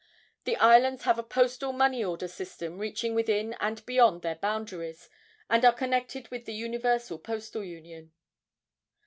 The islands have a postal money order system reaching within and beyond their boundaries, and are connected with the Universal Postal Union.